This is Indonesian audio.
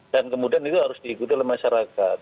dan kemudian itu harus diikuti oleh masyarakat